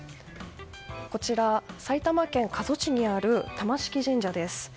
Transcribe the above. こちら、埼玉県加須市にある玉敷神社です。